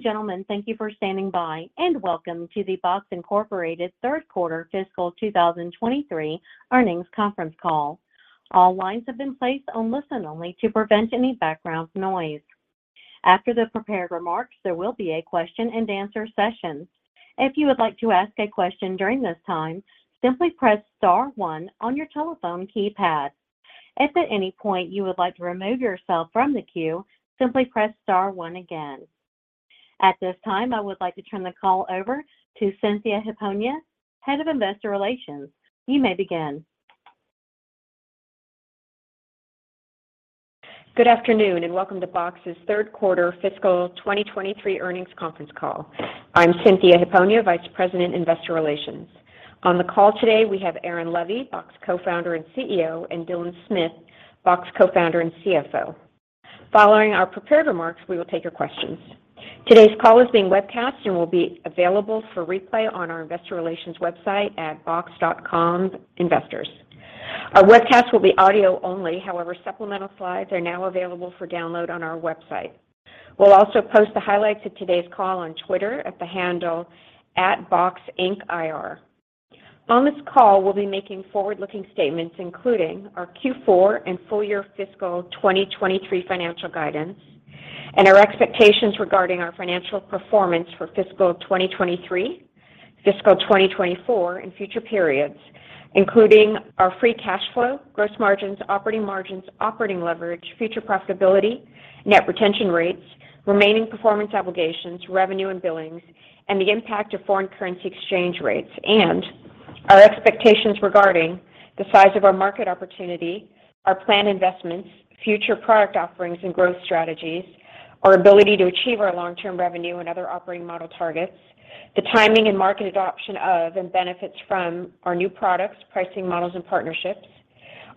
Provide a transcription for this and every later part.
Ladies and gentlemen, thank you for standing by. Welcome to the Box, Inc. third quarter fiscal 2023 earnings conference call. All lines have been placed on listen only to prevent any background noise. After the prepared remarks, there will be a question and answer session. If you would like to ask a question during this time, simply press star one on your telephone keypad. If at any point you would like to remove yourself from the queue, simply press star one again. At this time, I would like to turn the call over to Cynthia Hiponia, Head of Investor Relations. You may begin. Good afternoon, welcome to Box's third quarter fiscal 2023 earnings conference call. I'm Cynthia Hiponia, Vice President, Investor Relations. On the call today, we have Aaron Levie, Box Co-Founder and CEO, and Dylan Smith, Box Co-Founder and CFO. Following our prepared remarks, we will take your questions. Today's call is being webcast and will be available for replay on our investor relations website at box.com investors. Our webcast will be audio only. Supplemental slides are now available for download on our website. We'll also post the highlights of today's call on Twitter at the handle @BoxIncIR. On this call, we'll be making forward-looking statements, including our Q4 and full year fiscal 2023 financial guidance and our expectations regarding our financial performance for fiscal 2023, fiscal 2024, and future periods, including our free cash flow, gross margins, operating margins, operating leverage, future profitability, net retention rates, remaining performance obligations, revenue and billings, and the impact of foreign currency exchange rates, and our expectations regarding the size of our market opportunity, our planned investments, future product offerings and growth strategies, our ability to achieve our long-term revenue and other operating model targets, the timing and market adoption of and benefits from our new products, pricing models and partnerships,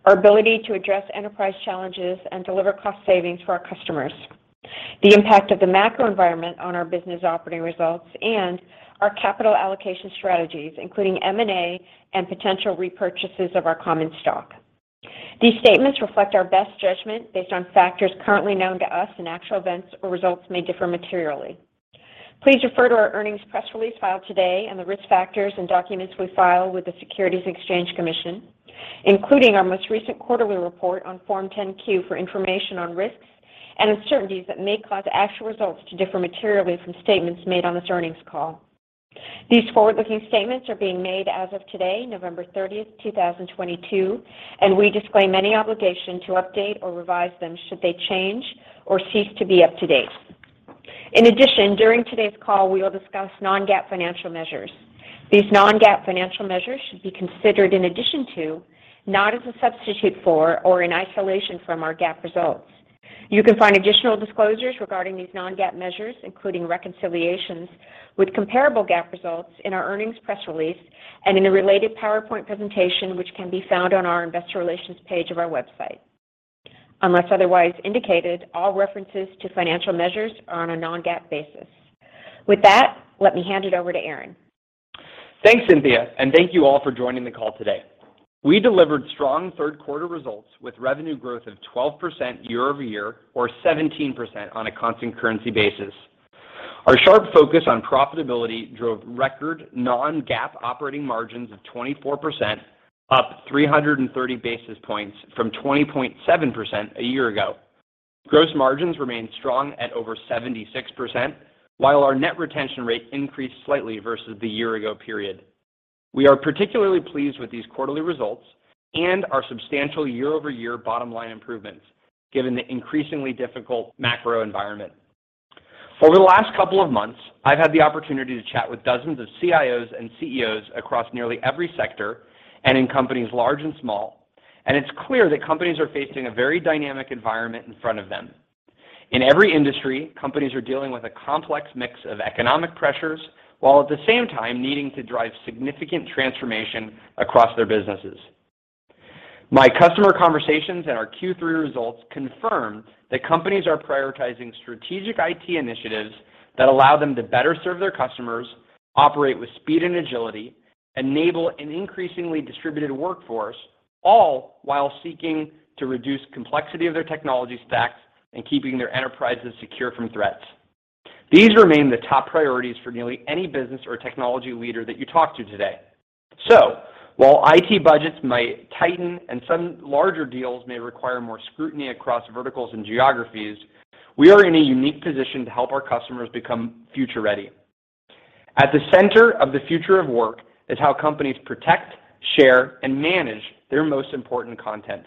our ability to address enterprise challenges and deliver cost savings for our customers, the impact of the macro environment on our business operating results, and our capital allocation strategies, including M&A and potential repurchases of our common stock. These statements reflect our best judgment based on factors currently known to us. Actual events or results may differ materially. Please refer to our earnings press release filed today and the risk factors and documents we file with the Securities and Exchange Commission, including our most recent quarterly report on Form 10-Q for information on risks and uncertainties that may cause actual results to differ materially from statements made on this earnings call. These forward-looking statements are being made as of today, November 30th, 2022. We disclaim any obligation to update or revise them should they change or cease to be up to date. In addition, during today's call, we will discuss non-GAAP financial measures. These non-GAAP financial measures should be considered in addition to, not as a substitute for, or in isolation from, our GAAP results. You can find additional disclosures regarding these non-GAAP measures, including reconciliations with comparable GAAP results in our earnings press release and in a related PowerPoint presentation, which can be found on our investor relations page of our website. Unless otherwise indicated, all references to financial measures are on a non-GAAP basis. With that, let me hand it over to Aaron. Thanks, Cynthia. Thank you all for joining the call today. We delivered strong third quarter results with revenue growth of 12% year-over-year or 17% on a constant currency basis. Our sharp focus on profitability drove record non-GAAP operating margins of 24%, up 330 basis points from 20.7% a year ago. Gross margins remained strong at over 76%, while our net retention rate increased slightly versus the year ago period. We are particularly pleased with these quarterly results and our substantial year-over-year bottom line improvements given the increasingly difficult macro environment. Over the last couple of months, I've had the opportunity to chat with dozens of CIOs and CEOs across nearly every sector and in companies large and small, and it's clear that companies are facing a very dynamic environment in front of them. In every industry, companies are dealing with a complex mix of economic pressures, while at the same time needing to drive significant transformation across their businesses. My customer conversations and our Q3 results confirm that companies are prioritizing strategic IT initiatives that allow them to better serve their customers, operate with speed and agility, enable an increasingly distributed workforce, all while seeking to reduce complexity of their technology stacks and keeping their enterprises secure from threats. These remain the top priorities for nearly any business or technology leader that you talk to today. While IT budgets might tighten and some larger deals may require more scrutiny across verticals and geographies, we are in a unique position to help our customers become future ready. At the center of the future of work is how companies protect, share, and manage their most important content.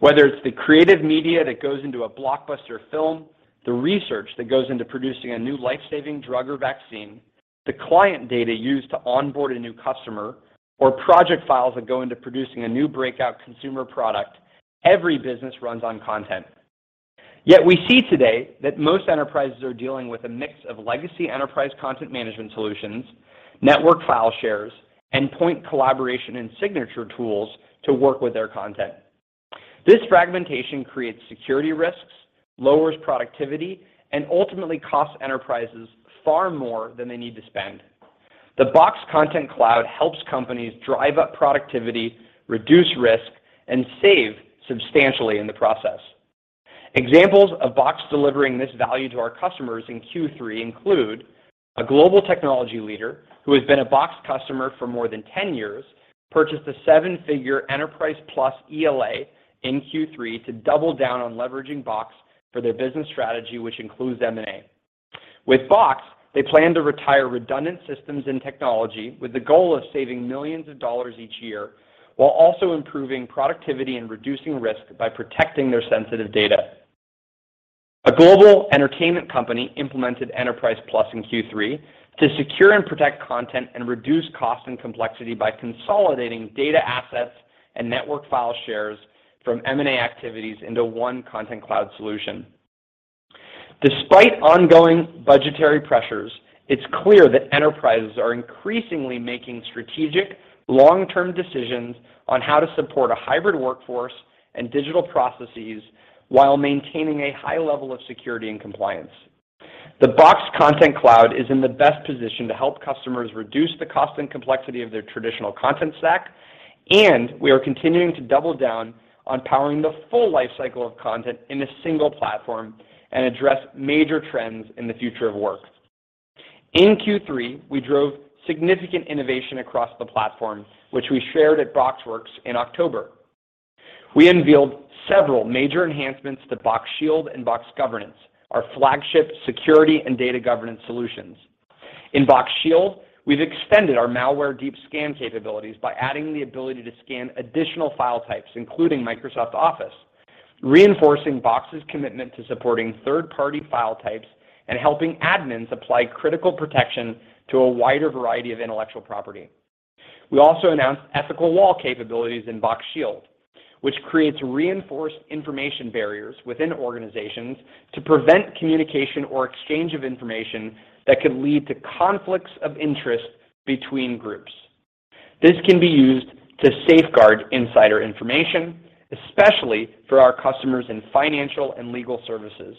Whether it's the creative media that goes into a blockbuster film, the research that goes into producing a new life-saving drug or vaccine, the client data used to onboard a new customer, or project files that go into producing a new breakout consumer product, every business runs on content. We see today that most enterprises are dealing with a mix of legacy enterprise content management solutions, network file shares, and point collaboration and signature tools to work with their content. This fragmentation creates security risks, lowers productivity, and ultimately costs enterprises far more than they need to spend. The Box Content Cloud helps companies drive up productivity, reduce risk, and save substantially in the process. Examples of Box delivering this value to our customers in Q3 include a global technology leader who has been a Box customer for more than 10 years, purchased a seven-figure Enterprise Plus ELA in Q3 to double down on leveraging Box for their business strategy, which includes M&A. With Box, they plan to retire redundant systems and technology with the goal of saving $ millions each year while also improving productivity and reducing risk by protecting their sensitive data. A global entertainment company implemented Enterprise Plus in Q3 to secure and protect content and reduce cost and complexity by consolidating data assets and network file shares from M&A activities into one Content Cloud solution. Despite ongoing budgetary pressures, it's clear that enterprises are increasingly making strategic long-term decisions on how to support a hybrid workforce and digital processes while maintaining a high level of security and compliance. The Box Content Cloud is in the best position to help customers reduce the cost and complexity of their traditional content stack. We are continuing to double down on powering the full lifecycle of content in a single platform and address major trends in the future of work. In Q3, we drove significant innovation across the platform, which we shared at BoxWorks in October. We unveiled several major enhancements to Box Shield and Box Governance, our flagship security and data governance solutions. In Box Shield, we've extended our malware deep scan capabilities by adding the ability to scan additional file types, including Microsoft Office, reinforcing Box's commitment to supporting third-party file types and helping admins apply critical protection to a wider variety of intellectual property. We also announced ethical wall capabilities in Box Shield, which creates reinforced information barriers within organizations to prevent communication or exchange of information that could lead to conflicts of interest between groups. This can be used to safeguard insider information, especially for our customers in financial and legal services.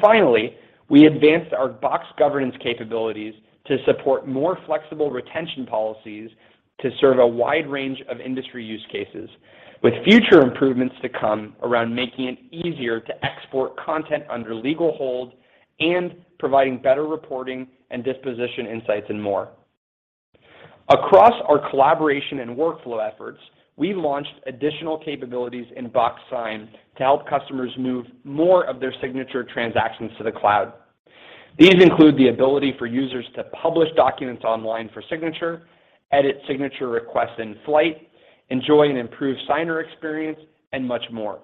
Finally, we advanced our Box Governance capabilities to support more flexible retention policies to serve a wide range of industry use cases with future improvements to come around making it easier to export content under legal hold and providing better reporting and disposition insights and more. Across our collaboration and workflow efforts, we launched additional capabilities in Box Sign to help customers move more of their signature transactions to the cloud. These include the ability for users to publish documents online for signature, edit signature requests in flight, enjoy an improved signer experience, and much more.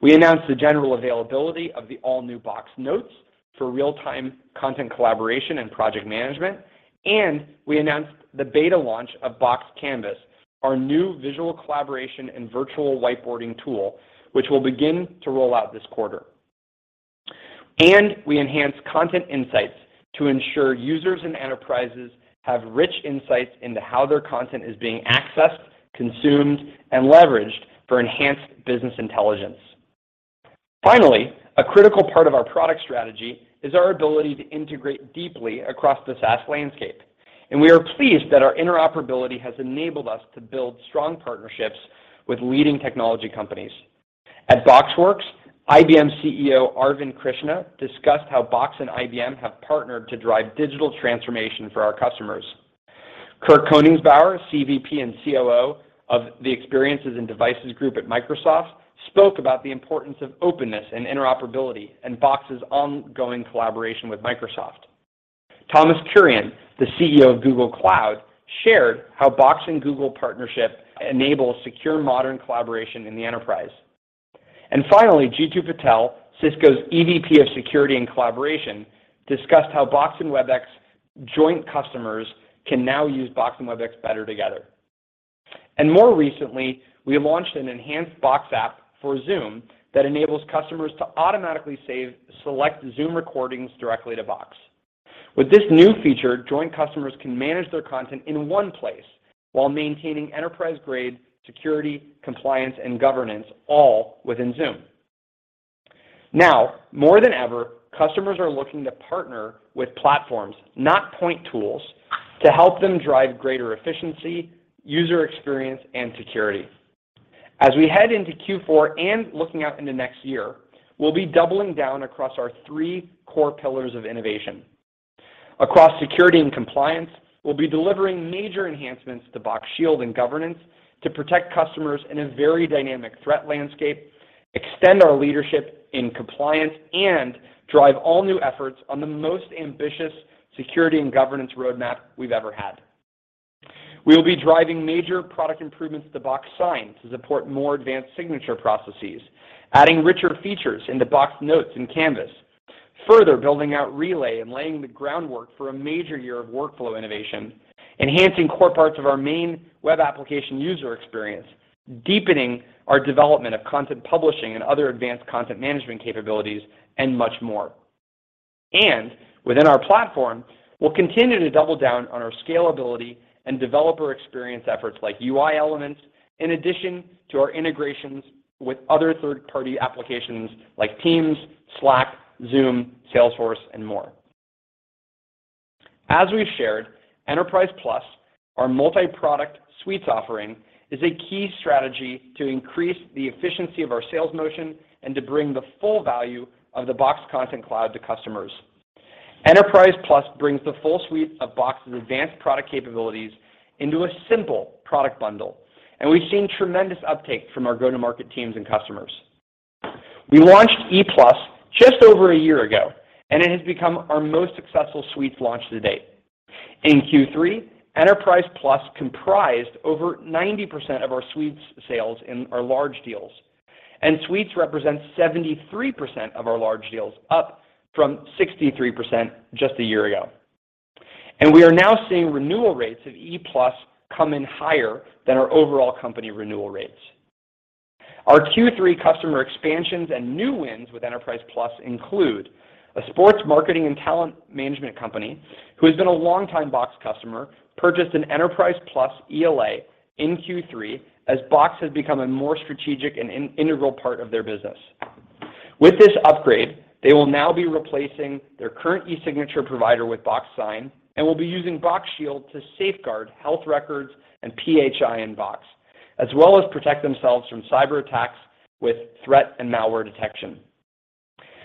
We announced the general availability of the all-new Box Notes for real-time content collaboration and project management. We announced the beta launch of Box Canvas, our new visual collaboration and virtual whiteboarding tool, which will begin to roll out this quarter. We enhanced content insights to ensure users and enterprises have rich insights into how their content is being accessed, consumed, and leveraged for enhanced business intelligence. Finally, a critical part of our product strategy is our ability to integrate deeply across the SaaS landscape, and we are pleased that our interoperability has enabled us to build strong partnerships with leading technology companies. At BoxWorks, IBM CEO Arvind Krishna discussed how Box and IBM have partnered to drive digital transformation for our customers. Kirk Koenigsbauer, CVP and COO of the Experiences and Devices Group at Microsoft, spoke about the importance of openness and interoperability and Box's ongoing collaboration with Microsoft. Thomas Kurian, the CEO of Google Cloud, shared how Box and Google partnership enables secure modern collaboration in the enterprise. Finally, Jeetu Patel, Cisco's EVP of Security and Collaboration, discussed how Box and Webex joint customers can now use Box and Webex better together. More recently, we launched an enhanced Box app for Zoom that enables customers to automatically save select Zoom recordings directly to Box. With this new feature, joint customers can manage their content in one place while maintaining enterprise-grade security, compliance, and governance all within Zoom. Now more than ever, customers are looking to partner with platforms, not point tools, to help them drive greater efficiency, user experience, and security. As we head into Q4 and looking out into next year, we'll be doubling down across our three core pillars of innovation. Across security and compliance, we'll be delivering major enhancements to Box Shield and Governance to protect customers in a very dynamic threat landscape, extend our leadership in compliance, and drive all new efforts on the most ambitious security and governance roadmap we've ever had. We will be driving major product improvements to Box Sign to support more advanced signature processes, adding richer features into Box Notes and Canvas, further building out Relay and laying the groundwork for a major year of workflow innovation, enhancing core parts of our main web application user experience, deepening our development of content publishing and other advanced content management capabilities, and much more. Within our platform, we'll continue to double down on our scalability and developer experience efforts like Box UI Elements in addition to our integrations with other third-party applications like Microsoft Teams, Slack, Zoom, Salesforce, and more. As we've shared, Enterprise Plus, our multi-product Suites offering, is a key strategy to increase the efficiency of our sales motion and to bring the full value of the Box Content Cloud to customers. Enterprise Plus brings the full Suite of Box's advanced product capabilities into a simple product bundle, and we've seen tremendous uptake from our go-to-market teams and customers. We launched E Plus just over a year ago, and it has become our most successful Suites launch to date. In Q3, Enterprise Plus comprised over 90% of our Suites sales in our large deals, and Suites represent 73% of our large deals, up from 63% just a year ago. We are now seeing renewal rates of E Plus come in higher than our overall company renewal rates. Our Q3 customer expansions and new wins with Enterprise Plus include a sports marketing and talent management company who has been a long time Box customer, purchased an Enterprise Plus ELA in Q3 as Box has become a more strategic and integral part of their business. With this upgrade, they will now be replacing their current e-signature provider with Box Sign and will be using Box Shield to safeguard health records and PHI in Box, as well as protect themselves from cyberattacks with threat and malware detection.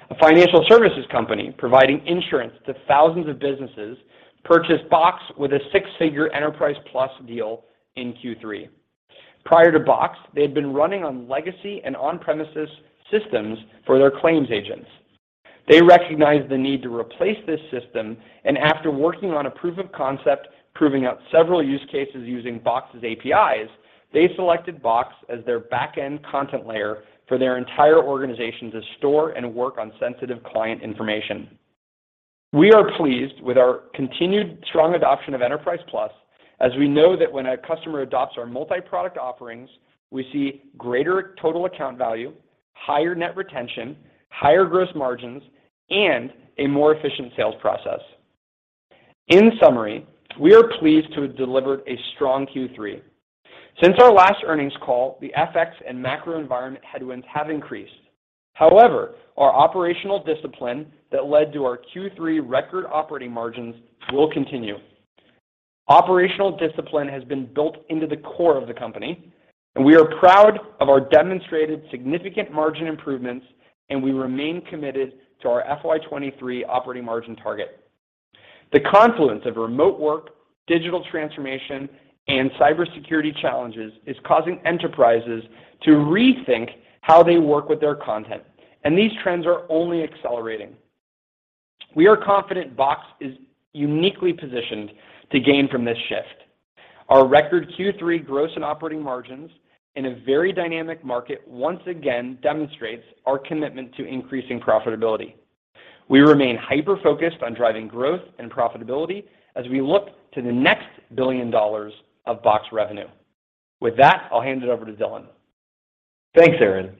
A financial services company providing insurance to thousands of businesses purchased Box with a six-figure Enterprise Plus deal in Q3. Prior to Box, they had been running on legacy and on-premises systems for their claims agents. They recognized the need to replace this system, and after working on a proof of concept, proving out several use cases using Box's APIs, they selected Box as their back-end content layer for their entire organization to store and work on sensitive client information. We are pleased with our continued strong adoption of Enterprise Plus, as we know that when a customer adopts our multi-product offerings, we see greater total account value, higher net retention, higher gross margins, and a more efficient sales process. In summary, we are pleased to have delivered a strong Q3. Since our last earnings call, the FX and macro environment headwinds have increased. However, our operational discipline that led to our Q3 record operating margins will continue. Operational discipline has been built into the core of the company, and we are proud of our demonstrated significant margin improvements, and we remain committed to our FY 2023 operating margin target. The confluence of remote work, digital transformation, and cybersecurity challenges is causing enterprises to rethink how they work with their content, and these trends are only accelerating. We are confident Box is uniquely positioned to gain from this shift. Our record Q3 gross and operating margins in a very dynamic market once again demonstrates our commitment to increasing profitability. We remain hyper-focused on driving growth and profitability as we look to the next $1 billion of Box revenue. With that, I'll hand it over to Dylan. Thanks, Aaron.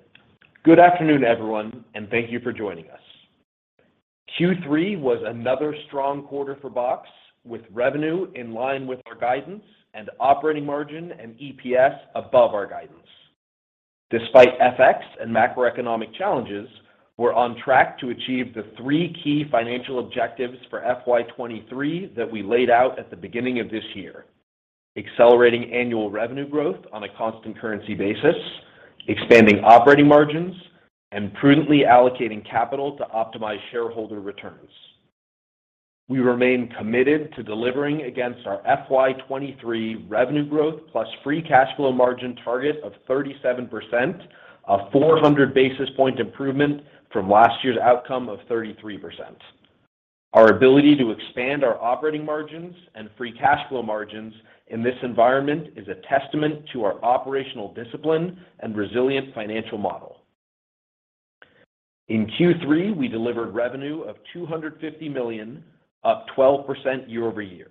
Good afternoon, everyone, and thank you for joining us. Q3 was another strong quarter for Box, with revenue in line with our guidance and operating margin and EPS above our guidance. Despite FX and macroeconomic challenges, we're on track to achieve the 3 key financial objectives for FY 2023 that we laid out at the beginning of this year: accelerating annual revenue growth on a constant currency basis, expanding operating margins, and prudently allocating capital to optimize shareholder returns. We remain committed to delivering against our FY 2023 revenue growth plus free cash flow margin target of 37%, a 400 basis point improvement from last year's outcome of 33%. Our ability to expand our operating margins and free cash flow margins in this environment is a testament to our operational discipline and resilient financial model. In Q3, we delivered revenue of $250 million, up 12% year-over-year.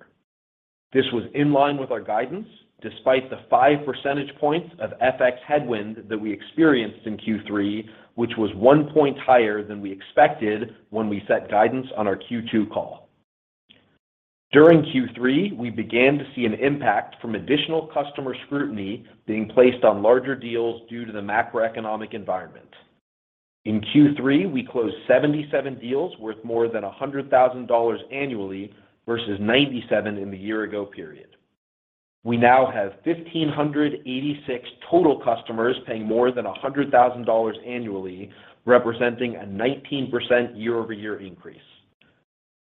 This was in line with our guidance despite the 5 percentage points of FX headwind that we experienced in Q3, which was 1 point higher than we expected when we set guidance on our Q2 call. During Q3, we began to see an impact from additional customer scrutiny being placed on larger deals due to the macroeconomic environment. In Q3, we closed 77 deals worth more than $100,000 annually versus 97 in the year-ago period. We now have 1,586 total customers paying more than $100,000 annually, representing a 19% year-over-year increase.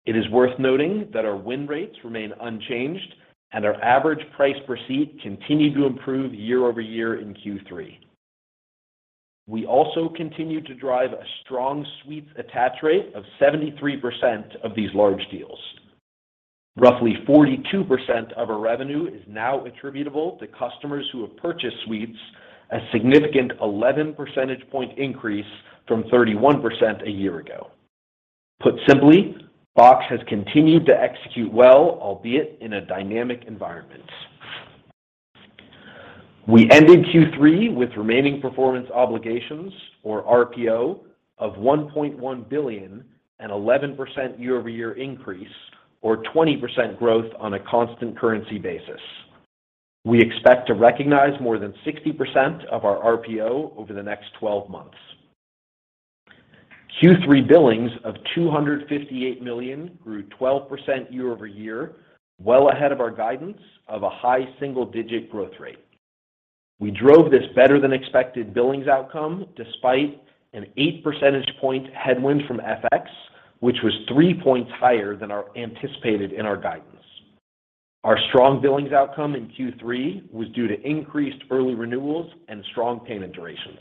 It is worth noting that our win rates remain unchanged and our average price per seat continued to improve year-over-year in Q3. We also continued to drive a strong Suites attach rate of 73% of these large deals. Roughly 42% of our revenue is now attributable to customers who have purchased Suites, a significant 11 percentage point increase from 31% a year ago. Put simply, Box has continued to execute well, albeit in a dynamic environment. We ended Q3 with remaining performance obligations, or RPO, of $1.1 billion, an 11% year-over-year increase, or 20% growth on a constant currency basis. We expect to recognize more than 60% of our RPO over the next 12 months. Q3 billings of $258 million grew 12% year-over-year, well ahead of our guidance of a high single-digit growth rate. We drove this better than expected billings outcome despite an 8 percentage point headwind from FX, which was three points higher than our anticipated in our guidance. Our strong billings outcome in Q3 was due to increased early renewals and strong payment durations.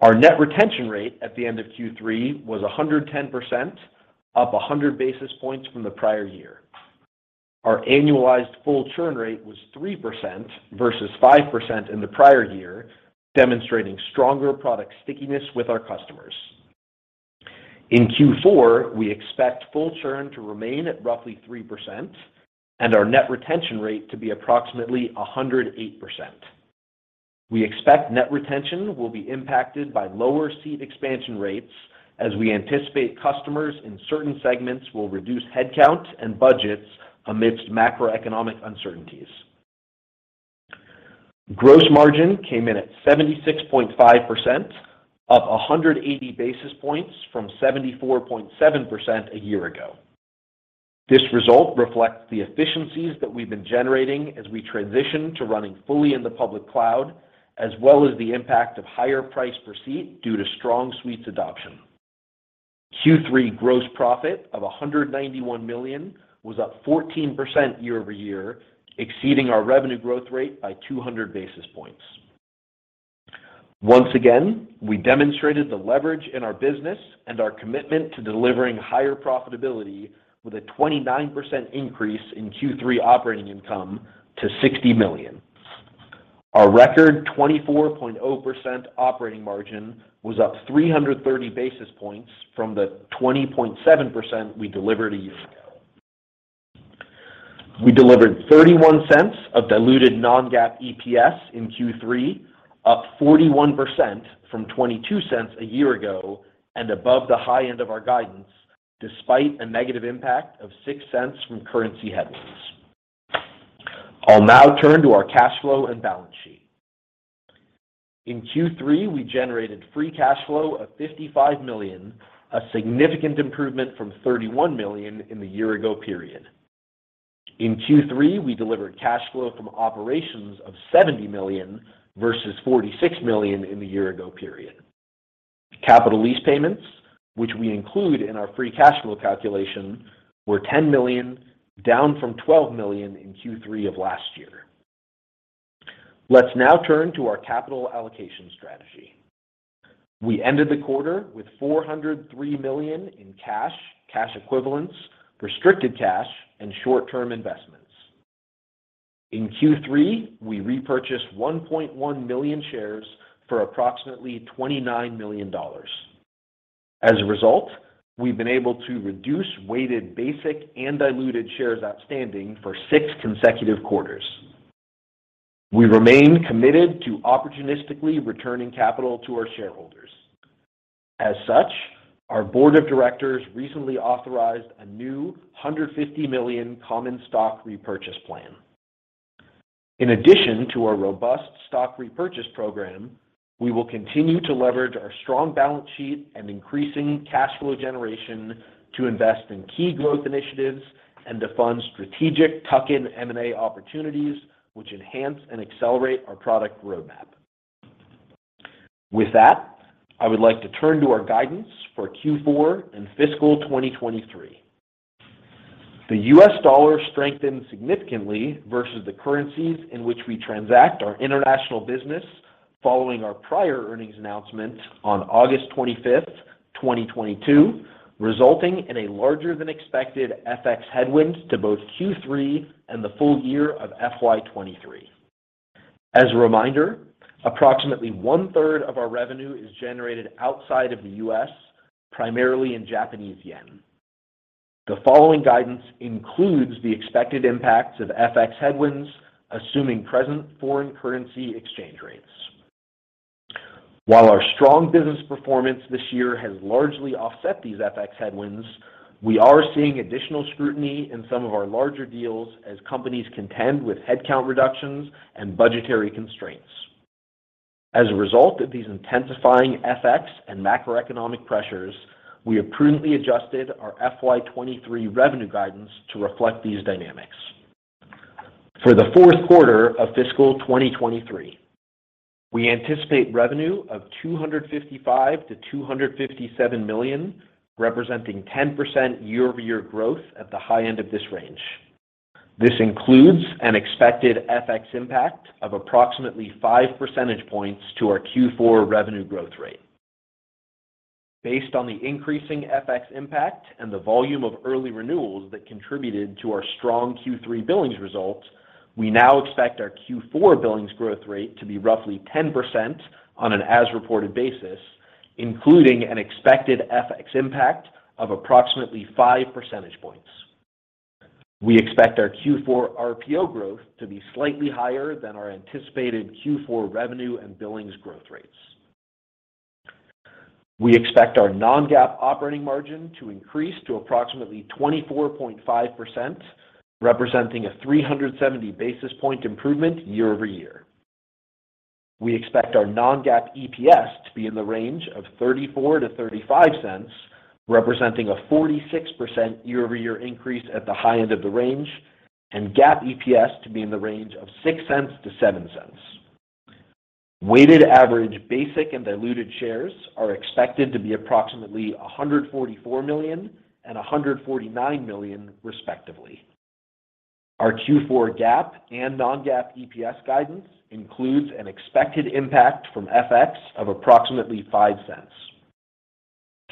Our net retention rate at the end of Q3 was 110%, up 100 basis points from the prior year. Our annualized full churn rate was 3% versus 5% in the prior year, demonstrating stronger product stickiness with our customers. In Q4, we expect full churn to remain at roughly 3% and our net retention rate to be approximately 108%. We expect net retention will be impacted by lower seat expansion rates as we anticipate customers in certain segments will reduce headcount and budgets amidst macroeconomic uncertainties. Gross margin came in at 76.5%, up 180 basis points from 74.7% a year ago. This result reflects the efficiencies that we've been generating as we transition to running fully in the public cloud, as well as the impact of higher price per seat due to strong Suites adoption. Q3 gross profit of $191 million was up 14% year-over-year, exceeding our revenue growth rate by 200 basis points. Once again, we demonstrated the leverage in our business and our commitment to delivering higher profitability with a 29% increase in Q3 operating income to $60 million. Our record 24.0% operating margin was up 330 basis points from the 20.7% we delivered a year ago. We delivered $0.31 of diluted non-GAAP EPS in Q3, up 41% from $0.22 a year ago, and above the high end of our guidance, despite a negative impact of $0.06 from currency headwinds. I'll now turn to our cash flow and balance sheet. In Q3, we generated free cash flow of $55 million, a significant improvement from $31 million in the year-ago period. In Q3, we delivered cash flow from operations of $70 million versus $46 million in the year-ago period. Capital lease payments, which we include in our free cash flow calculation, were $10 million, down from $12 million in Q3 of last year. Let's now turn to our capital allocation strategy. We ended the quarter with $403 million in cash equivalents, restricted cash, and short-term investments. In Q3, we repurchased 1.1 million shares for approximately $29 million. As a result, we've been able to reduce weighted basic and diluted shares outstanding for 6 consecutive quarters. We remain committed to opportunistically returning capital to our shareholders. As such, our board of directors recently authorized a new $150 million common stock repurchase plan. In addition to our robust stock repurchase program, we will continue to leverage our strong balance sheet and increasing cash flow generation to invest in key growth initiatives and to fund strategic tuck-in M&A opportunities, which enhance and accelerate our product roadmap. With that, I would like to turn to our guidance for Q4 and fiscal 2023. The U.S. dollar strengthened significantly versus the currencies in which we transact our international business following our prior earnings announcement on August 25, 2022, resulting in a larger than expected FX headwind to both Q3 and the full year of FY 2023. As a reminder, approximately one-third of our revenue is generated outside of the U.S., primarily in Japanese yen. The following guidance includes the expected impacts of FX headwinds, assuming present foreign currency exchange rates. While our strong business performance this year has largely offset these FX headwinds, we are seeing additional scrutiny in some of our larger deals as companies contend with headcount reductions and budgetary constraints. As a result of these intensifying FX and macroeconomic pressures, we have prudently adjusted our FY 2023 revenue guidance to reflect these dynamics. For the fourth quarter of fiscal 2023, we anticipate revenue of $255 million-$257 million, representing 10% year-over-year growth at the high end of this range. This includes an expected FX impact of approximately 5 percentage points to our Q4 revenue growth rate. Based on the increasing FX impact and the volume of early renewals that contributed to our strong Q3 billings results, we now expect our Q4 billings growth rate to be roughly 10% on an as-reported basis, including an expected FX impact of approximately 5 percentage points. We expect our Q4 RPO growth to be slightly higher than our anticipated Q4 revenue and billings growth rates. We expect our non-GAAP operating margin to increase to approximately 24.5%, representing a 370 basis point improvement year-over-year. We expect our non-GAAP EPS to be in the range of $0.34-$0.35, representing a 46% year-over-year increase at the high end of the range, and GAAP EPS to be in the range of $0.06-$0.07. Weighted average basic and diluted shares are expected to be approximately 144 million and 149 million, respectively. Our Q4 GAAP and non-GAAP EPS guidance includes an expected impact from FX of approximately $0.05.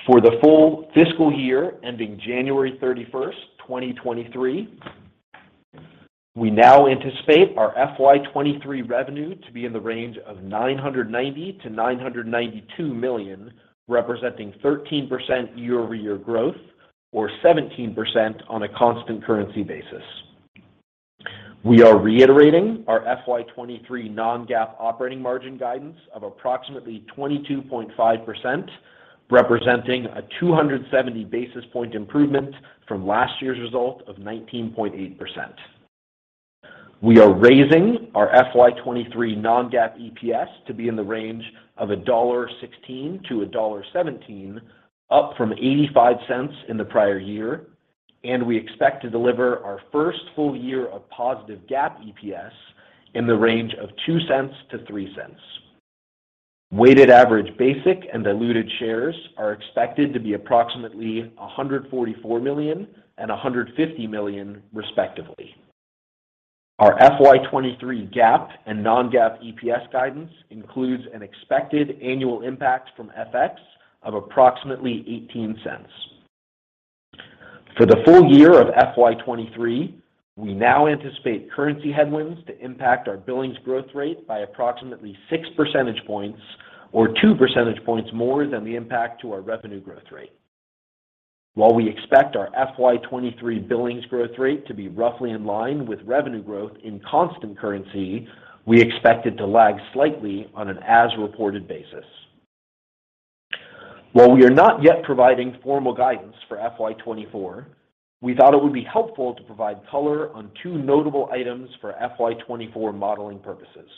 For the full fiscal year ending January 31, 2023, we now anticipate our FY 2023 revenue to be in the range of $990 million-$992 million, representing 13% year-over-year growth, or 17% on a constant currency basis. We are reiterating our FY23 non-GAAP operating margin guidance of approximately 22.5%, representing a 270 basis point improvement from last year's result of 19.8%. We are raising our FY 2023 non-GAAP EPS to be in the range of $1.16-$1.17, up from $0.85 in the prior year, and we expect to deliver our first full year of positive GAAP EPS in the range of $0.02-$0.03. Weighted average basic and diluted shares are expected to be approximately 144 million and 150 million, respectively. Our FY 2023 GAAP and non-GAAP EPS guidance includes an expected annual impact from FX of approximately $0.18. For the full year of FY 2023, we now anticipate currency headwinds to impact our billings growth rate by approximately 6 percentage points or 2 percentage points more than the impact to our revenue growth rate. While we expect our FY 2023 billings growth rate to be roughly in line with revenue growth in constant currency, we expect it to lag slightly on an as-reported basis. While we are not yet providing formal guidance for FY 2024, we thought it would be helpful to provide color on two notable items for FY 2024 modeling purposes.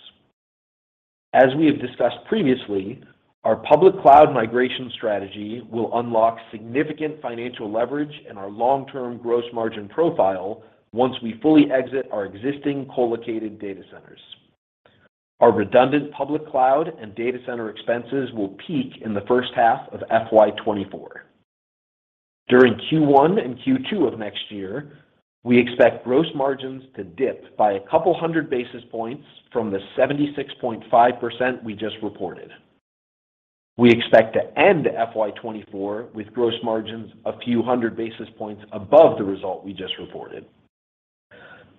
As we have discussed previously, our public cloud migration strategy will unlock significant financial leverage in our long-term gross margin profile once we fully exit our existing colocated data centers. Our redundant public cloud and data center expenses will peak in the first half of FY 2024. During Q1 and Q2 of next year, we expect gross margins to dip by a couple hundred basis points from the 76.5% we just reported. We expect to end FY 2024 with gross margins a few hundred basis points above the result we just reported.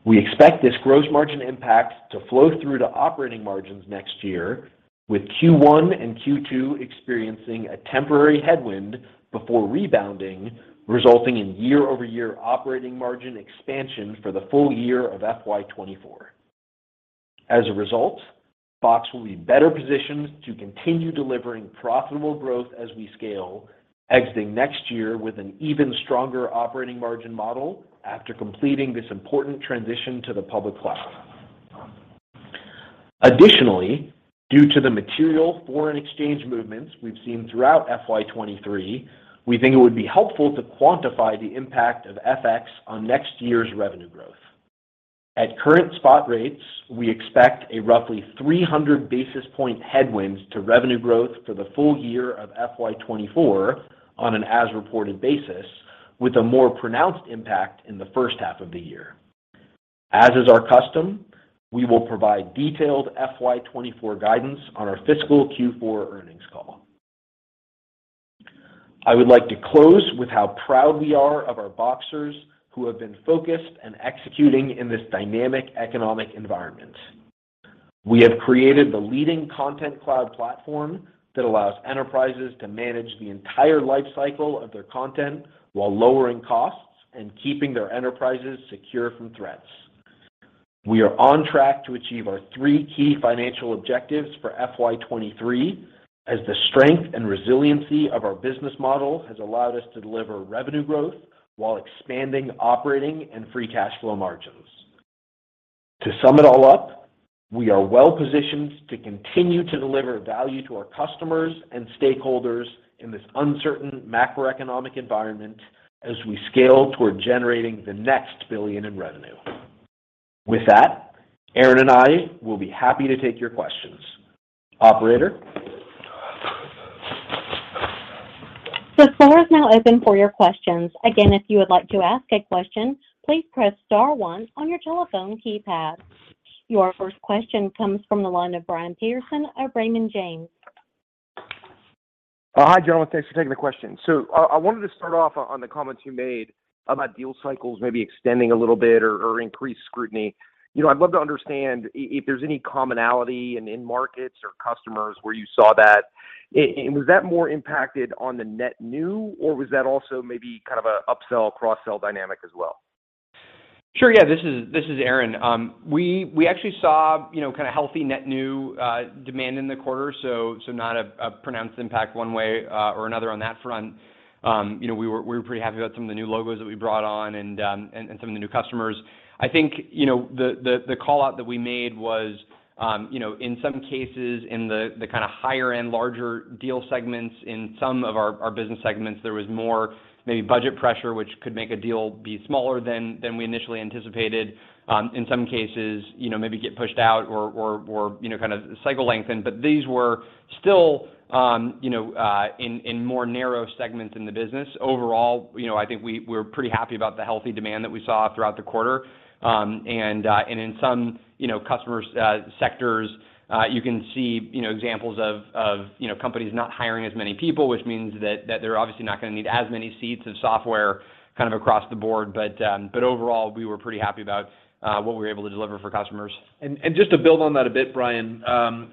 We expect this gross margin impact to flow through to operating margins next year, with Q1 and Q2 experiencing a temporary headwind before rebounding, resulting in year-over-year operating margin expansion for the full year of FY 2024. As a result, Box will be better positioned to continue delivering profitable growth as we scale, exiting next year with an even stronger operating margin model after completing this important transition to the public cloud. Additionally, due to the material foreign exchange movements we've seen throughout FY 2023, we think it would be helpful to quantify the impact of FX on next year's revenue growth. At current spot rates, we expect a roughly 300 basis point headwinds to revenue growth for the full year of FY 2024 on an as-reported basis, with a more pronounced impact in the first half of the year. As is our custom, we will provide detailed FY 2024 guidance on our fiscal Q4 earnings call. I would like to close with how proud we are of our Boxers who have been focused and executing in this dynamic economic environment. We have created the leading Content Cloud platform that allows enterprises to manage the entire life cycle of their content while lowering costs and keeping their enterprises secure from threats. We are on track to achieve our three key financial objectives for FY 2023, as the strength and resiliency of our business model has allowed us to deliver revenue growth while expanding operating and free cash flow margins. To sum it all up, we are well positioned to continue to deliver value to our customers and stakeholders in this uncertain macroeconomic environment as we scale toward generating the next $1 billion in revenue. With that, Aaron and I will be happy to take your questions. Operator? The floor is now open for your questions. Again, if you would like to ask a question, please press star one on your telephone keypad. Your first question comes from the line of Brian Peterson of Raymond James. Hi, gentlemen. Thanks for taking the question. I wanted to start off on the comments you made about deal cycles maybe extending a little bit or increased scrutiny. You know, I'd love to understand if there's any commonality in markets or customers where you saw that. Was that more impacted on the net new, or was that also maybe kind of a upsell, cross-sell dynamic as well? Sure. Yeah. This is Aaron. We actually saw, you know, kind of healthy net new demand in the quarter, so not a pronounced impact one way or another on that front. You know, we were pretty happy about some of the new logos that we brought on and some of the new customers. I think, you know, the call-out that we made was, you know, in some cases in the kinda higher end, larger deal segments in some of our business segments, there was more maybe budget pressure, which could make a deal be smaller than we initially anticipated. In some cases, you know, maybe get pushed out or, you know, kind of cycle lengthened. These were still, you know, in more narrow segments in the business. Overall, you know, I think we're pretty happy about the healthy demand that we saw throughout the quarter. In some, you know, customers, sectors, you can see, you know, examples of, you know, companies not hiring as many people, which means that they're obviously not gonna need as many seats of software kind of across the board. Overall, we were pretty happy about, what we were able to deliver for customers. Just to build on that a bit, Brian,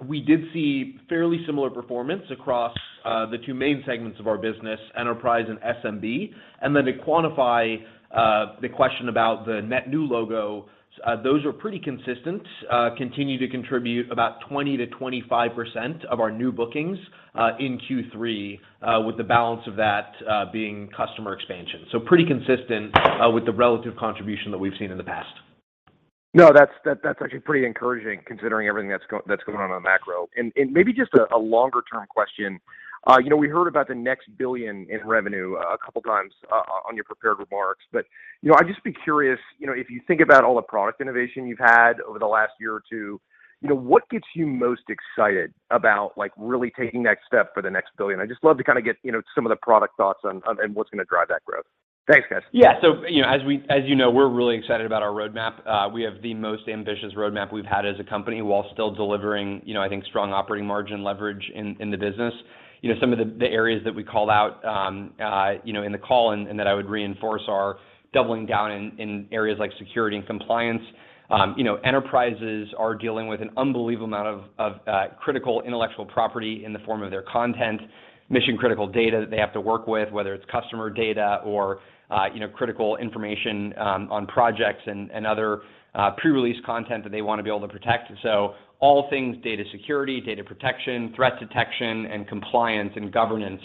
we did see fairly similar performance across the two main segments of our business, enterprise and SMB. Then to quantify, the question about the net new logo, those are pretty consistent. Continue to contribute about 20%-25% of our new bookings in Q3, with the balance of that being customer expansion. Pretty consistent, with the relative contribution that we've seen in the past. No, that's actually pretty encouraging considering everything that's going on in the macro. Maybe just a longer term question. You know, we heard about the next $1 billion in revenue a couple times on your prepared remarks, but, you know, I'd just be curious, you know, if you think about all the product innovation you've had over the last year or two, you know, what gets you most excited about, like, really taking next step for the next $1 billion? I'd just love to kinda get, you know, some of the product thoughts on and what's gonna drive that growth. Thanks, guys. You know, as you know, we're really excited about our roadmap. We have the most ambitious roadmap we've had as a company while still delivering, you know, I think strong operating margin leverage in the business. You know, some of the areas that we called out, you know, in the call and that I would reinforce are doubling down in areas like security and compliance. You know, enterprises are dealing with an unbelievable amount of critical intellectual property in the form of their content, mission-critical data that they have to work with, whether it's customer data or, you know, critical information on projects and other pre-release content that they wanna be able to protect. All things data security, data protection, threat detection, and compliance and governance,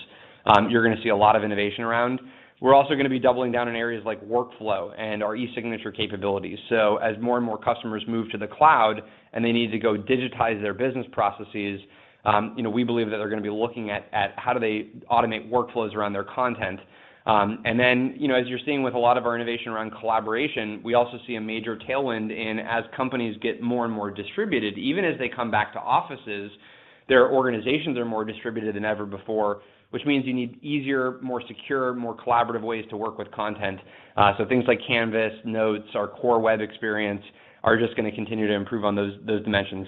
you're gonna see a lot of innovation around. We're also gonna be doubling down in areas like workflow and our e-signature capabilities. As more and more customers move to the cloud and they need to go digitize their business processes, you know, we believe that they're gonna be looking at how do they automate workflows around their content. Then, you know, as you're seeing with a lot of our innovation around collaboration, we also see a major tailwind. As companies get more and more distributed, even as they come back to offices, their organizations are more distributed than ever before, which means you need easier, more secure, more collaborative ways to work with content. Things like Box Canvas, Box Notes, our core web experience are just gonna continue to improve on those dimensions.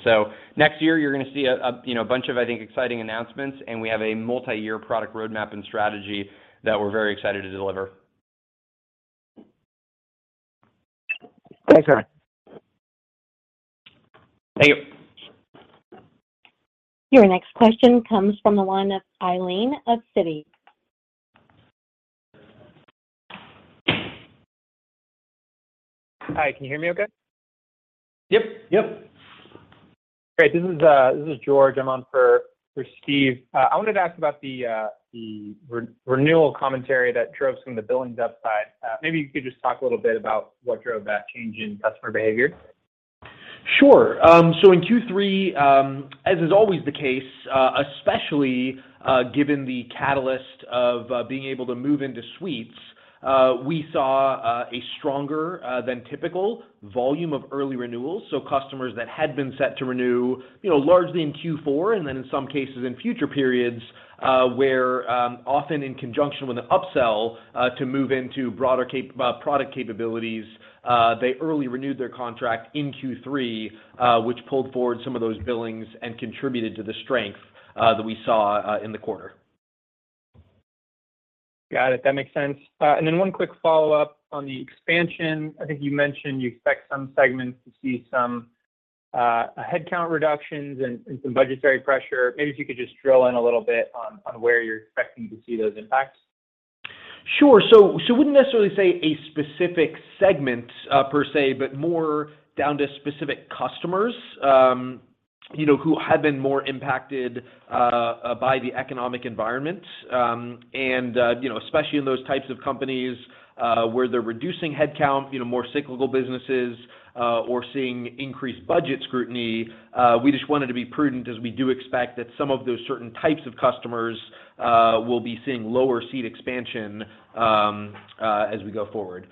Next year you're gonna see a, you know, bunch of, I think, exciting announcements, and we have a multi-year product roadmap and strategy that we're very excited to deliver. Thanks, Aaron. Thank you. Your next question comes from the line of Eileen of Citi. Hi, can you hear me okay? Yep. Yep. Great. This is George. I'm on for Steve. I wanted to ask about the re-renewal commentary that drove some of the billings upside. Maybe you could just talk a little bit about what drove that change in customer behavior. Sure. In Q3, as is always the case, especially given the catalyst of being able to move into Suites, we saw a stronger than typical volume of early renewals. Customers that had been set to renew, you know, largely in Q4 and then in some cases in future periods, where often in conjunction with an upsell, to move into broader product capabilities, they early renewed their contract in Q3, which pulled forward some of those billings and contributed to the strength that we saw in the quarter. Got it. That makes sense. Then one quick follow-up on the expansion. I think you mentioned you expect some segments to see some headcount reductions and some budgetary pressure. Maybe if you could just drill in a little bit on where you're expecting to see those impacts. Sure. wouldn't necessarily say a specific segment per se, but more down to specific customers, you know, who have been more impacted by the economic environment. you know, especially in those types of companies, where they're reducing headcount, you know, more cyclical businesses, or seeing increased budget scrutiny, we just wanted to be prudent as we do expect that some of those certain types of customers, will be seeing lower seat expansion as we go forward.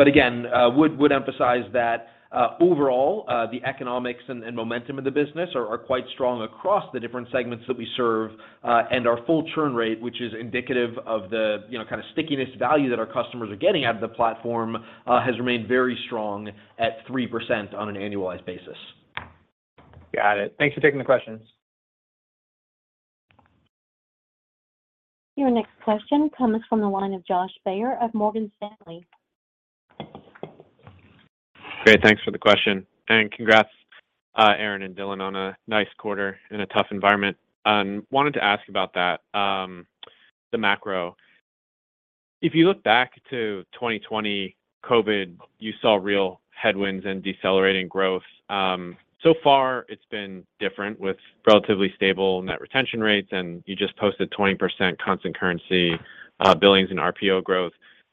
again, emphasize that overall, the economics and momentum of the business are quite strong across the different segments that we serve. Our full churn rate, which is indicative of the, you know, kind of stickiness value that our customers are getting out of the platform, has remained very strong at 3% on an annualized basis. Got it. Thanks for taking the questions. Your next question comes from the line of Joshua Baer of Morgan Stanley. Great. Thanks for the question, and congrats, Aaron and Dylan on a nice quarter in a tough environment. Wanted to ask about that, the macro. If you look back to 2020 COVID, you saw real headwinds and decelerating growth. So far it's been different with relatively stable net retention rates, and you just posted 20% constant currency billings and RPO growth.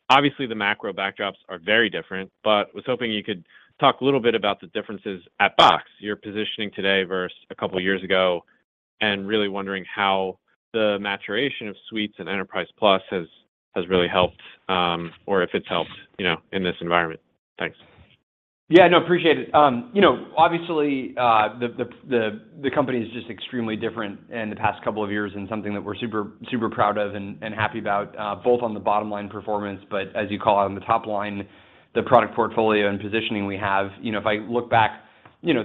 Obviously, the macro backdrops are very different, but I was hoping you could talk a little bit about the differences at Box, your positioning today versus a couple years ago, and really wondering how the maturation of Suites and Enterprise Plus has really helped, or if it's helped, you know, in this environment. Thanks. Yeah, no, appreciate it. You know, obviously, the company is just extremely different in the past couple of years and something that we're super proud of and happy about, both on the bottom-line performance, but as you call out on the top line, the product portfolio and positioning we have. You know, if I look back, you know,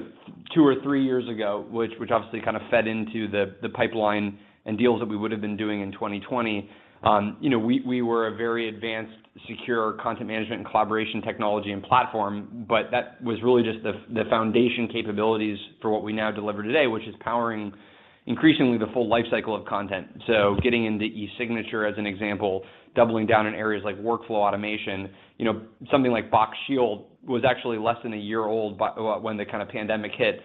2 or 3 years ago, which obviously kind of fed into the pipeline and deals that we would've been doing in 2020, you know, we were a very advanced secure content management and collaboration technology and platform, but that was really just the foundation capabilities for what we now deliver today, which is powering increasingly the full life cycle of content. Getting into e-signature, as an example, doubling down in areas like workflow automation. You know, something like Box Shield was actually less than a year old when the kind of pandemic hit,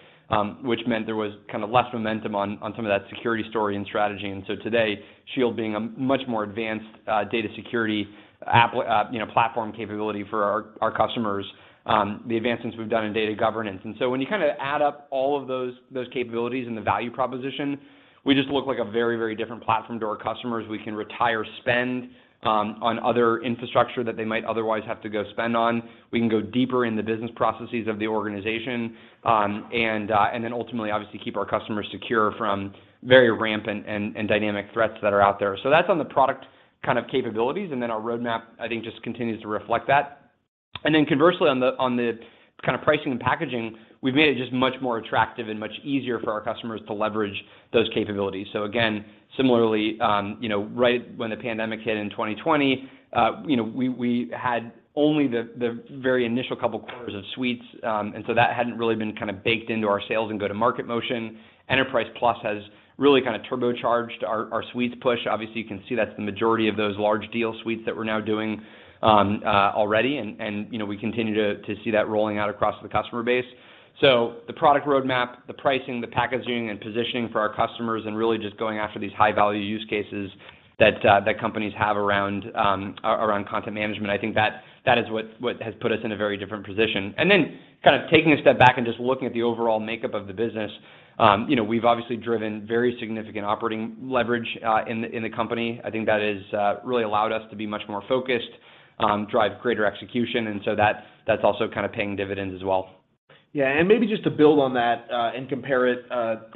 which meant there was kind of less momentum on some of that security story and strategy. Today, Shield being a much more advanced data security, you know, platform capability for our customers, the advancements we've done in data governance. When you kind of add up all of those capabilities and the value proposition, we just look like a very, very different platform to our customers. We can retire spend on other infrastructure that they might otherwise have to go spend on. We can go deeper in the business processes of the organization, and then ultimately obviously keep our customers secure from very rampant and dynamic threats that are out there. That's on the product kind of capabilities. Then our roadmap, I think, just continues to reflect that. Then conversely, on the kind of pricing and packaging, we've made it just much more attractive and much easier for our customers to leverage those capabilities. Again, similarly, you know, right when the pandemic hit in 2020, you know, we had only the very initial couple quarters of Suites. And so that hadn't really been kind of baked into our sales and go-to-market motion. Enterprise Plus has really kind of turbocharged our Suites push. Obviously, you can see that's the majority of those large deal Suites that we're now doing, already and, you know, we continue to see that rolling out across the customer base. The product roadmap, the pricing, the packaging and positioning for our customers, and really just going after these high-value use cases that companies have around content management, I think that is what has put us in a very different position. Kind of taking a step back and just looking at the overall makeup of the business, you know, we've obviously driven very significant operating leverage in the company. I think that has really allowed us to be much more focused, drive greater execution, and so that's also kind of paying dividends as well. Yeah. Maybe just to build on that, and compare it,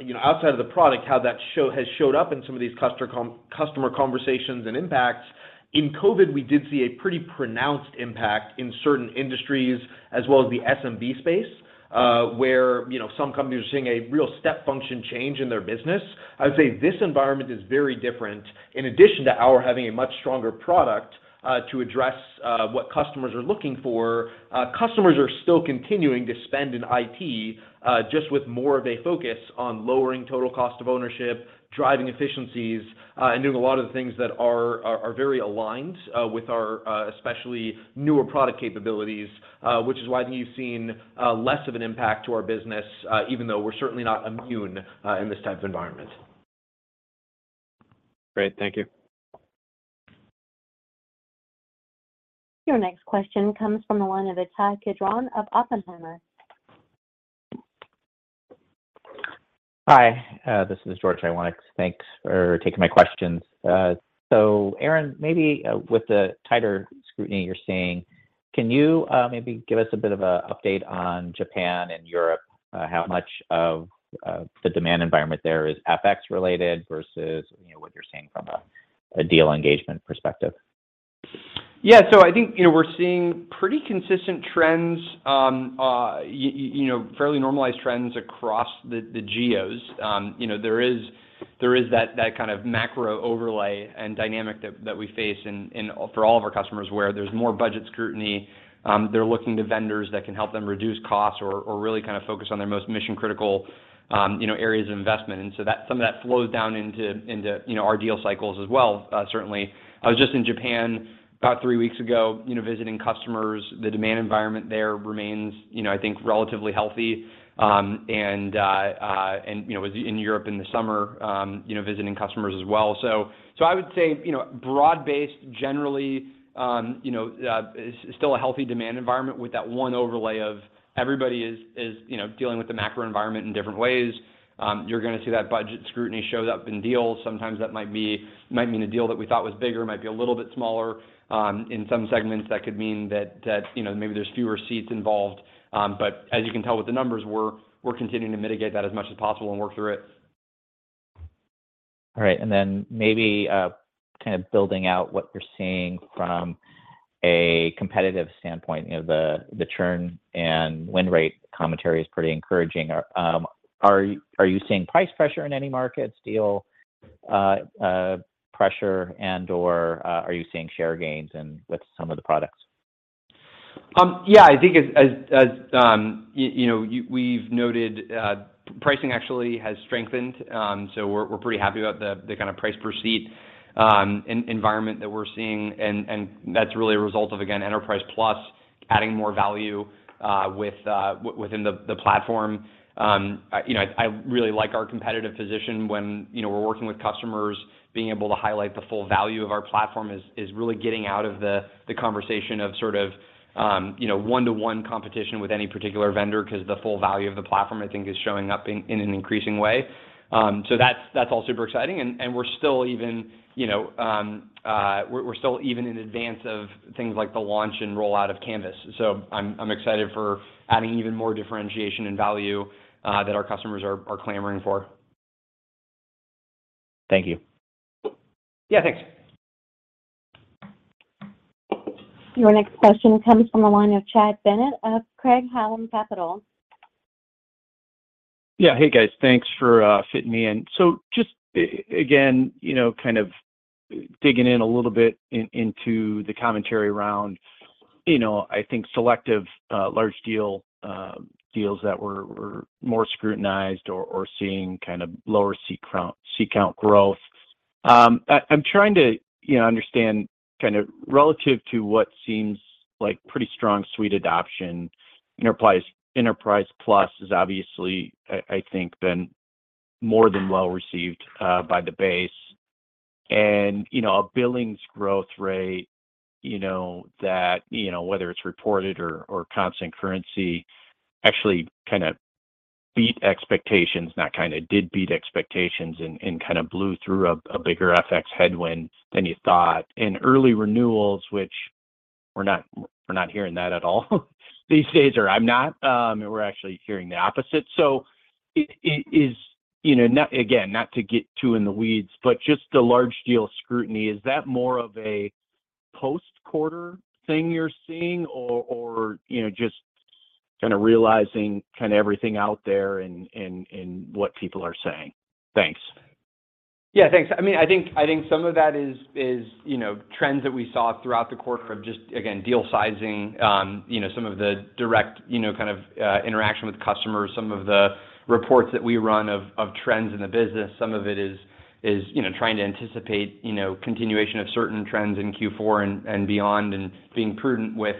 you know, outside of the product, how that has showed up in some of these customer conversations and impacts. In COVID, we did see a pretty pronounced impact in certain industries as well as the SMB space, where, you know, some companies are seeing a real step function change in their business. I would say this environment is very different. In addition to our having a much stronger product, to address, what customers are looking for, customers are still continuing to spend in IT, just with more of a focus on lowering total cost of ownership, driving efficiencies, and doing a lot of the things that are very aligned, with our, especially newer product capabilities, which is why I think you've seen, less of an impact to our business, even though we're certainly not immune, in this type of environment. Great. Thank you. Your next question comes from the line of Ittai Kidron of Oppenheimer. Hi, this is George. Thanks for taking my questions. Aaron, maybe with the tighter scrutiny you're seeing, can you maybe give us a bit of a update on Japan and Europe? How much of the demand environment there is FX related versus, you know, what you're seeing from a deal engagement perspective? Yeah. I think, you know, we're seeing pretty consistent trends, you know, fairly normalized trends across the geos. You know, there is that kind of macro overlay and dynamic that we face for all of our customers, where there's more budget scrutiny. They're looking to vendors that can help them reduce costs or really kind of focus on their most mission-critical, you know, areas of investment. Some of that flows down into, you know, our deal cycles as well, certainly. I was just in Japan about three weeks ago, you know, visiting customers. The demand environment there remains, you know, I think relatively healthy. You know, was in Europe in the summer, you know, visiting customers as well. I would say, you know, broad-based generally, you know, it's still a healthy demand environment with that one overlay of everybody is, you know, dealing with the macro environment in different ways. You're gonna see that budget scrutiny show up in deals. Sometimes that might mean a deal that we thought was bigger might be a little bit smaller. In some segments, that could mean that, you know, maybe there's fewer seats involved. As you can tell with the numbers, we're continuing to mitigate that as much as possible and work through it. All right. Then maybe, kind of building out what you're seeing from a competitive standpoint. You know, the churn and win rate commentary is pretty encouraging. Are you seeing price pressure in any markets, deal pressure and/or, are you seeing share gains with some of the products? Yeah, I think you know, we've noted, pricing actually has strengthened. We're pretty happy about the kind of price per seat environment that we're seeing, and that's really a result of, again, Enterprise Plus adding more value within the platform. You know, I really like our competitive position when, you know, we're working with customers, being able to highlight the full value of our platform is really getting out of the conversation of sort of, you know, one-to-one competition with any particular vendor because the full value of the platform, I think, is showing up in an increasing way. That's all super exciting, and we're still even, you know, we're still even in advance of things like the launch and rollout of Canvas. I'm excited for adding even more differentiation and value that our customers are clamoring for. Thank you. Yeah, thanks. Your next question comes from the line of Chad Bennett of Craig-Hallum Capital. Yeah. Hey, guys. Thanks for fitting me in. Just again, you know, kind of digging in a little bit into the commentary around, you know, I think selective large deal deals that were more scrutinized or seeing kind of lower seat count growth. I'm trying to, you know, understand kind of relative to what seems like pretty strong Suite adoption. Enterprise Plus has obviously, I think, been more than well received by the base. You know, a billings growth rate, you know, that, you know, whether it's reported or constant currency, actually kind of beat expectations, not kind of, did beat expectations and kind of blew through a bigger FX headwind than you thought. Early renewals, which we're not hearing that at all these days, or I'm not. We're actually hearing the opposite. Is, you know, not again, not to get too in the weeds, but just the large deal scrutiny, is that more of a post-quarter thing you're seeing or, you know, just kind of realizing kind of everything out there in what people are saying? Thanks. Yeah, thanks. I mean, I think some of that is, you know, trends that we saw throughout the quarter of just, again, deal sizing, you know, some of the direct, you know, kind of, interaction with customers, some of the reports that we run of trends in the business. Some of it is, you know, trying to anticipate, you know, continuation of certain trends in Q4 and beyond and being prudent with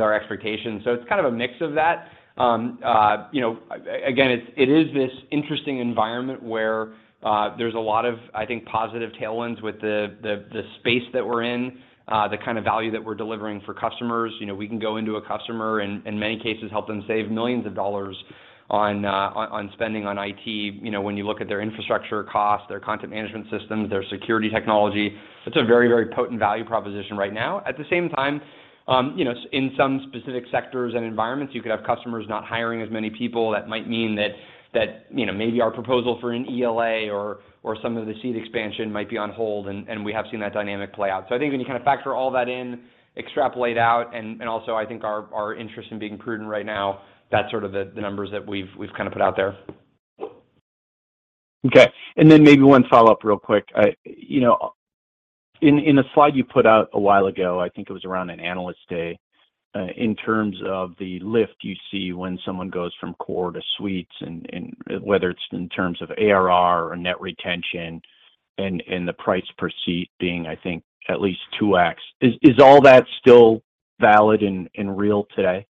our expectations. It's kind of a mix of that. You know, again, it is this interesting environment where there's a lot of, I think, positive tailwinds with the space that we're in, the kind of value that we're delivering for customers. You know, we can go into a customer and in many cases help them save millions of dollars on spending on IT. You know, when you look at their infrastructure costs, their content management systems, their security technology, it's a very, very potent value proposition right now. At the same time, you know, in some specific sectors and environments, you could have customers not hiring as many people. That might mean that, you know, maybe our proposal for an ELA or some of the seat expansion might be on hold, and we have seen that dynamic play out. I think when you kind of factor all that in, extrapolate out, and also I think our interest in being prudent right now, that's sort of the numbers that we've kind of put out there. Okay. Then maybe one follow-up real quick. You know, in a slide you put out a while ago, I think it was around an Analyst Day, in terms of the lift you see when someone goes from core to Suites and whether it's in terms of ARR or net retention and the price per seat being, I think, at least two times. Is all that still valid and real today?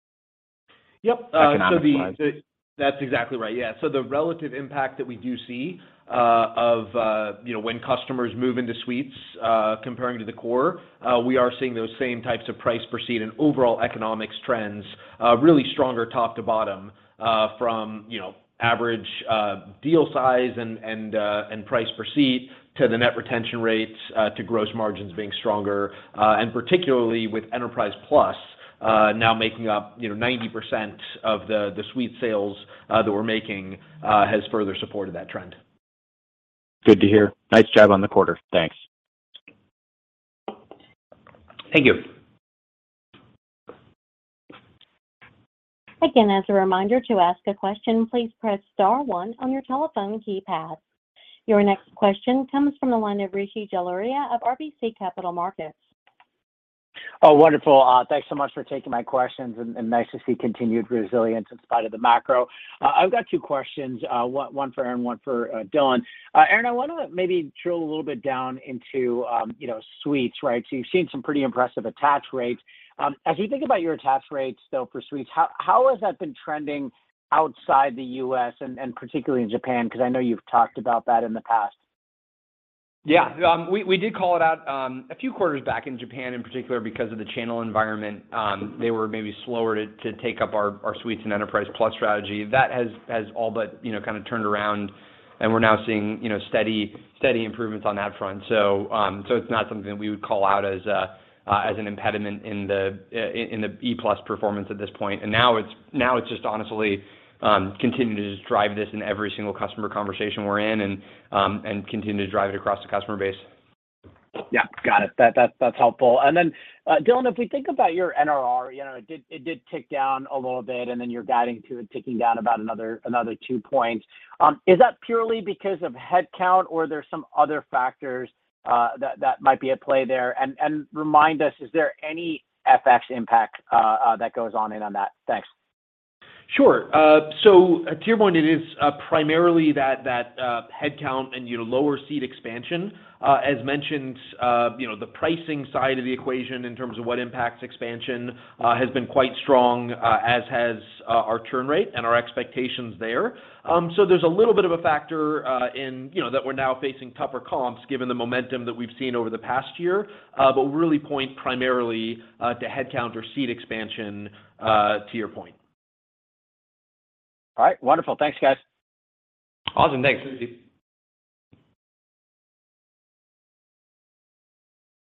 Yep. Economically? That's exactly right. Yeah. The relative impact that we do see, of, you know, when customers move into Suites, comparing to the core, we are seeing those same types of price per seat and overall economics trends, really stronger top to bottom, from, you know, average, deal size and price per seat to the net retention rates, to gross margins being stronger. Particularly with Enterprise Plus, now making up, you know, 90% of the Suite sales, that we're making, has further supported that trend. Good to hear. Nice job on the quarter. Thanks. Thank you. Again, as a reminder, to ask a question, please press star one on your telephone keypad. Your next question comes from the line of Rishi Jaluria of RBC Capital Markets. Wonderful. Thanks so much for taking my questions and nice to see continued resilience in spite of the macro. I've got two questions, one for Aaron, one for Dylan. Aaron, I wanna maybe drill a little bit down into, you know, Suites, right? You've seen some pretty impressive attach rates. As you think about your attach rates, though, for Suites, how has that been trending outside the U.S. and particularly in Japan? beause I know you've talked about that in the past. Yeah. We did call it out a few quarters back in Japan in particular because of the channel environment. They were maybe slower to take up our Suites and Enterprise Plus strategy. That has all but, you know, kind of turned around, we're now seeing, you know, steady improvements on that front. So it's not something we would call out as an impediment in the E Plus performance at this point. Now it's just honestly, continue to just drive this in every single customer conversation we're in and continue to drive it across the customer base. Yeah. Got it. That's helpful. Dylan, if we think about your NRR, you know, it did tick down a little bit, then you're guiding to it ticking down about another 2 points. Is that purely because of headcount or there's some other factors that might be at play there? Remind us, is there any FX impact that goes on in on that? Thanks. Sure. So to your point, it is primarily that head count and, you know, lower seat expansion. As mentioned, you know, the pricing side of the equation in terms of what impacts expansion has been quite strong, as has our churn rate and our expectations there. There's a little bit of a factor in, you know, that we're now facing tougher comps given the momentum that we've seen over the past year. Really point primarily to head count or seat expansion, to your point. All right. Wonderful. Thanks, guys. Awesome. Thanks.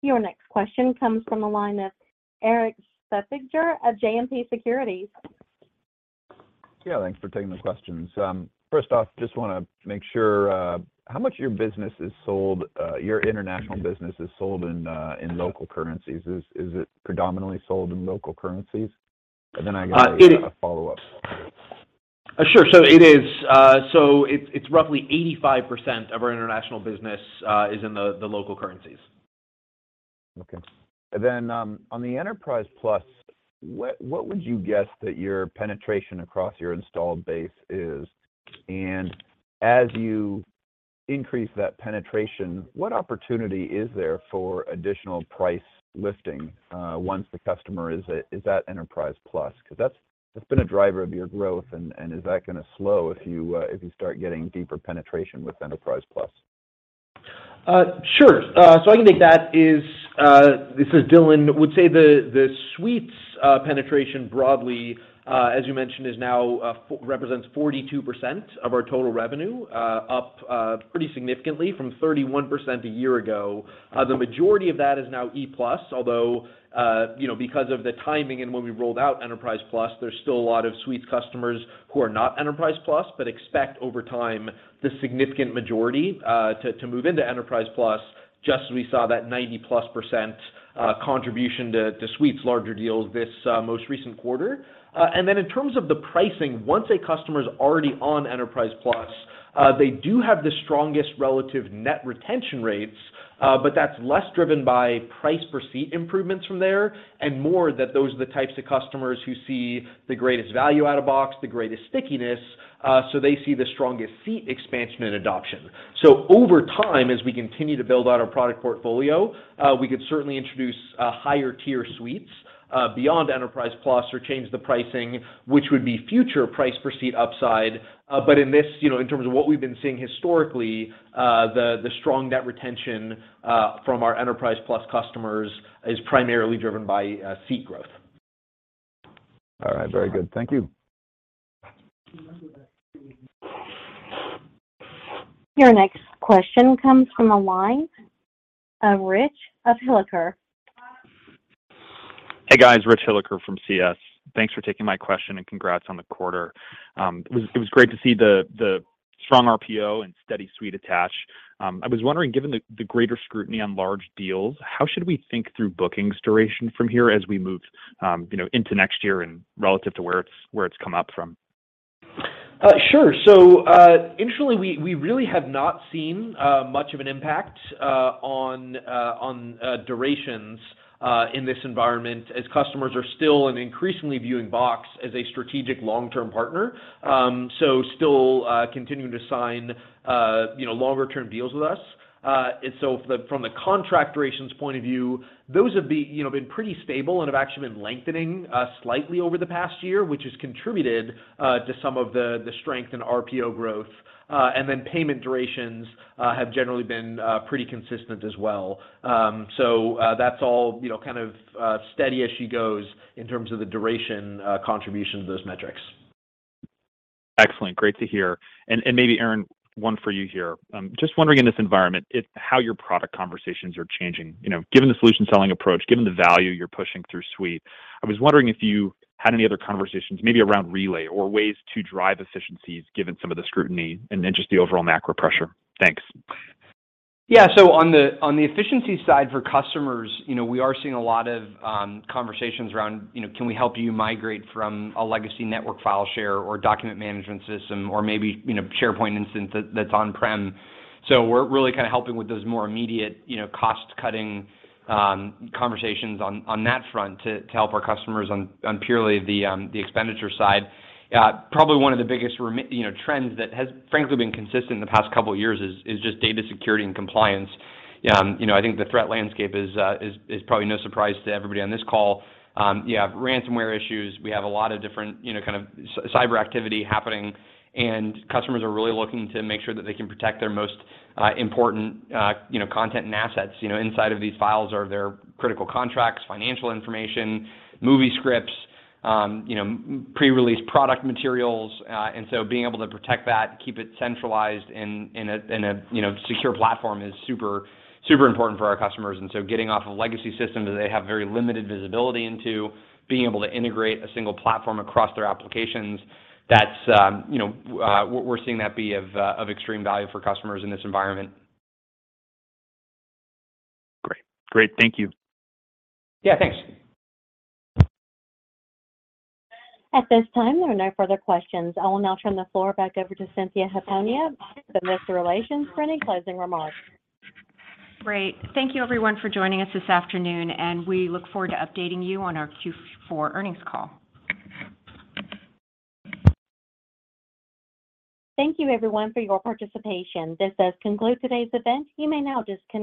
Your next question comes from the line of Erik Suppiger of JMP Securities. Thanks for taking the questions. First off, just wanna make sure, how much of your business is sold, your international business is sold in local currencies? Is it predominantly sold in local currencies? I got. Uh, it- A follow-up. Sure. It's roughly 85% of our international business is in the local currencies. Okay. on the Enterprise Plus, what would you guess that your penetration across your installed base is? as you increase that penetration, what opportunity is there for additional price lifting once the customer is at Enterprise Plus? 'Cause that's been a driver of your growth, and is that gonna slow if you start getting deeper penetration with Enterprise Plus? Sure. I can take that. This is Dylan. Would say the Suites penetration broadly, as you mentioned, is now represents 42% of our total revenue, up pretty significantly from 31% a year ago. The majority of that is now E Plus, although, you know, because of the timing and when we rolled out Enterprise Plus, there's still a lot of Suites customers who are not Enterprise Plus, expect over time the significant majority to move into Enterprise Plus, just as we saw that 90%+ contribution to Suites' larger deals this most recent quarter. In terms of the pricing, once a customer's already on Enterprise Plus, they do have the strongest relative net retention rates, but that's less driven by price per seat improvements from there and more that those are the types of customers who see the greatest value out of Box, the greatest stickiness, so they see the strongest seat expansion and adoption. Over time, as we continue to build out our product portfolio, we could certainly introduce higher tier Suites beyond Enterprise Plus or change the pricing, which would be future price per seat upside. In this, you know, in terms of what we've been seeing historically, the strong net retention from our Enterprise Plus customers is primarily driven by seat growth. All right. Very good. Thank you. Your next question comes from the line of Rich Hilliker. Hey, guys. Rich Hilliker from CS. Thanks for taking my question. Congrats on the quarter. It was great to see the strong RPO and steady Suite attach. I was wondering, given the greater scrutiny on large deals, how should we think through bookings duration from here as we move, you know, into next year and relative to where it's come up from? Sure. Initially, we really have not seen much of an impact on durations in this environment as customers are still and increasingly viewing Box as a strategic long-term partner. Still, continuing to sign, you know, longer term deals with us. From the contract durations point of view, those have, you know, been pretty stable and have actually been lengthening slightly over the past year, which has contributed to some of the strength in RPO growth. Then payment durations have generally been pretty consistent as well. That's all, you know, kind of, steady as she goes in terms of the duration contribution to those metrics. Excellent. Great to hear. Maybe, Aaron, one for you here. Just wondering in this environment how your product conversations are changing. You know, given the solution selling approach, given the value you're pushing through Suite, I was wondering if you had any other conversations maybe around Relay or ways to drive efficiencies given some of the scrutiny and then just the overall macro pressure. Thanks. On the, on the efficiency side for customers, you know, we are seeing a lot of conversations around, you know, can we help you migrate from a legacy network file share or document management system or maybe, you know, SharePoint instance that's on-prem? We're really kinda helping with those more immediate, you know, cost-cutting conversations on that front to help our customers on purely the expenditure side. Probably one of the biggest you know, trends that has frankly been consistent in the past couple years is just data security and compliance. You know, I think the threat landscape is probably no surprise to everybody on this call. You have ransomware issues. We have a lot of different, you know, kind of cyber activity happening, and customers are really looking to make sure that they can protect their most important, you know, content and assets. You know, inside of these files are their critical contracts, financial information, movie scripts, you know, pre-release product materials. Being able to protect that, keep it centralized in a, you know, secure platform is super important for our customers. Getting off a legacy system that they have very limited visibility into, being able to integrate a single platform across their applications, that's, you know, we're seeing that be of extreme value for customers in this environment. Great. Great. Thank you. Yeah, thanks. At this time, there are no further questions. I will now turn the floor back over to Cynthia Hiponia, the Investor Relations, for any closing remarks. Great. Thank you everyone for joining us this afternoon, and we look forward to updating you on our Q4 earnings call. Thank you everyone for your participation. This does conclude today's event. You may now disconnect.